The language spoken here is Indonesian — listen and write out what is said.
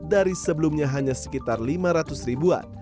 dari sebelumnya hanya sekitar lima ratus ribuan